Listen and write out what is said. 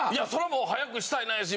もう早くしたいなぁやし